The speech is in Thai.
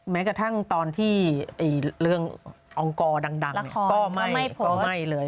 แม้กระทั่งตอนที่เรื่ององกอร์ดังก็ไหม้เลย